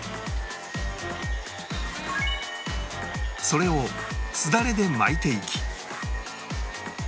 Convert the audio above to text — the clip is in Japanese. それをすだれで巻いていき